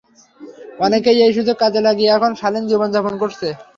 অনেকেই এই সুযোগ কাজে লাগিয়ে এখন শালীন জীবনযাপন করছে।